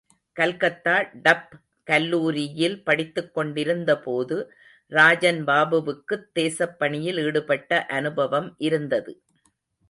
Calcutta Duff கல்லூரியில் படித்துக் கொண்டிருந்த போது, ராஜன்பாபுவுக்குத் தேசப் பணியில் ஈடுபட்ட அனுபவம் இருந்தது.